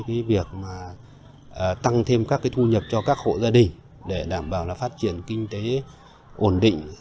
cái việc mà tăng thêm các cái thu nhập cho các hộ gia đình để đảm bảo là phát triển kinh tế ổn định